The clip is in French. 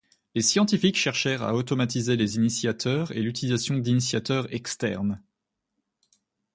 Les scientifiques cherchèrent à automatiser des initiateurs et l'utilisation d'initiateurs externes.